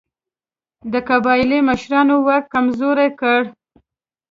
د قبایلي مشرانو واک کمزوری کړ.